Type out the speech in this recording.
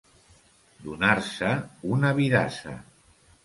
Donar-se una vidassa.